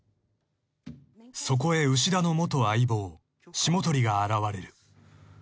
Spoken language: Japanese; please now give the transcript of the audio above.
［そこへ牛田の元相棒霜鳥が現れる］